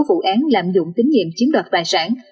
vụ án lạm dụng tín nhiệm chiếm đoạt tài sản